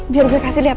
biar gue kasih liat